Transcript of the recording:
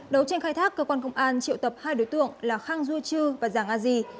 đấu tranh khai thác cơ quan công an triệu tập hai đối tượng là khang du chư và giàng a di